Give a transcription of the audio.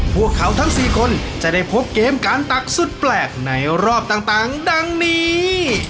พวกเขาทั้ง๔คนจะได้พบเกมการตักสุดแปลกในรอบต่างดังนี้